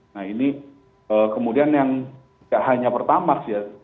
nah ini kemudian yang tidak hanya pertama sih ya